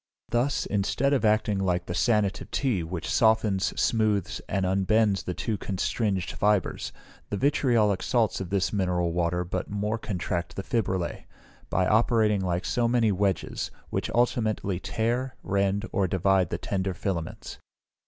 Thus, instead of acting like the sanative tea, which softens, smoothes, and unbends the two constringed fibres, the vitriolic salts of this mineral water but more contract the fibrillæ, by operating like so many wedges, which ultimately tear, rend, or divide the tender filaments.